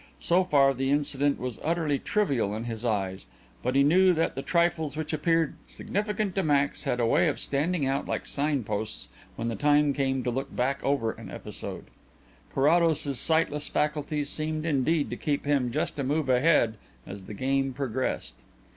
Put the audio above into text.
So far the incident was utterly trivial in his eyes; but he knew that the trifles which appeared significant to Max had a way of standing out like signposts when the time came to look back over an episode. Carrados's sightless faculties seemed indeed to keep him just a move ahead as the game progressed.